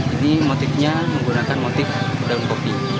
ini motifnya menggunakan motif daun kopi